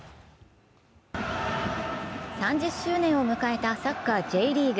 ３０周年を迎えたサッカー・Ｊリーグ。